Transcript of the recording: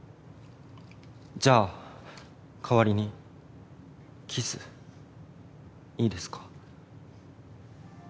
じゃあ代わりにキスいいですか？